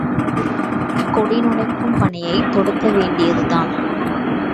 கொடினுடைக்கும் பணியைத் தொடக்க வேண்டியது தான்!